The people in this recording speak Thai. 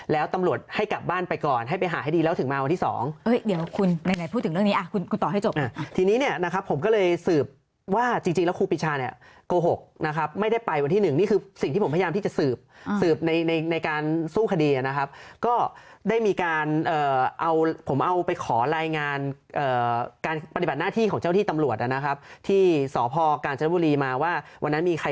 แล้วตำรวจให้กลับบ้านไปก่อนให้ไปหาให้ดีแล้วถึงมาวันที่สองเฮ้ยเดี๋ยวคุณไหนพูดถึงเรื่องนี้คุณต่อให้จบทีนี้นะครับผมก็เลยสืบว่าจริงแล้วครูปิชาเนี่ยโกหกนะครับไม่ได้ไปวันที่หนึ่งนี่คือสิ่งที่ผมพยายามที่จะสืบในการสู้คดีนะครับก็ได้มีการเอาผมเอาไปขอรายงานการปฏิบัติหน้าที่ของเจ้าที่ตำรว